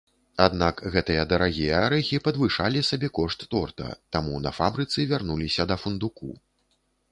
Аднак гэтыя дарагія арэхі падвышалі сабекошт торта, таму на фабрыцы вярнуліся да фундуку.